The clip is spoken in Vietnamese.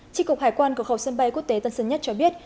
tri cục hải quan của khẩu sân bay quốc tế tân sơn nhất cho biết